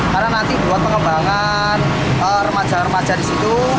karena nanti buat pengembangan remaja remaja di situ